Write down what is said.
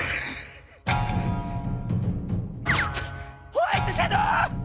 ホワイトシャドー！